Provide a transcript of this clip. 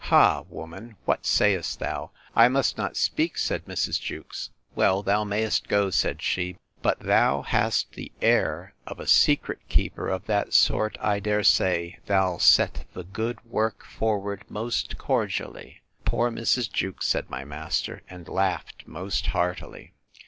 —Ha, woman! what sayest thou? I must not speak, said Mrs. Jewkes. Well, thou mayest go, said she; but thou hast the air of a secret keeper of that sort I dare say thoul't set the good work forward most cordially. Poor Mrs. Jewkes, said my master, and laughed most heartily.